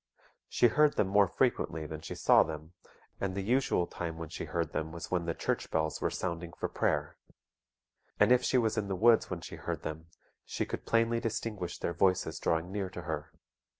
She heard them more frequently than she saw them; and the usual time when she heard them was when the church bells were sounding for prayer. And if she was in the woods when she heard them, she could plainly distinguish their voices drawing near to her.